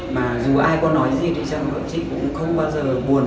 mà dù ai có nói gì thì chẳng hạn chị cũng không bao giờ buồn